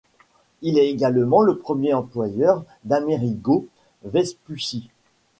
Il est également le premier employeur d'Amerigo Vespucci.